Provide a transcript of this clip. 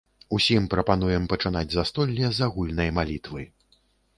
Усім прапануем пачынаць застолле з агульнай малітвы.